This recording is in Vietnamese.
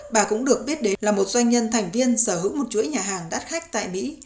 bà cũng được biết đến là một doanh nhân thành viên sở hữu một chuỗi nhà hàng đắt khách tại mỹ